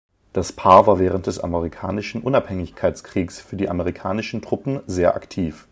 Das Paar war während des Amerikanischen Unabhängigkeitskriegs für die amerikanischen Truppen sehr aktiv.